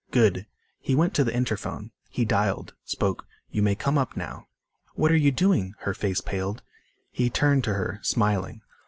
"Good." He went to the interphone. He dialed, spoke, "You may come up now." "What are you doing?" her face paled. He turned to her, smiling.